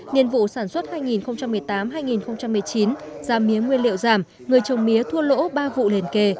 nhiên vụ sản xuất hai nghìn một mươi tám hai nghìn một mươi chín giá mía nguyên liệu giảm người trồng mía thua lỗ ba vụ liền kề